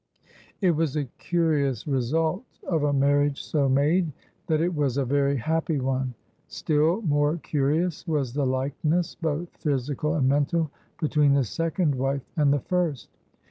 It was a curious result of a marriage so made that it was a very happy one. Still more curious was the likeness, both physical and mental, between the second wife and the first.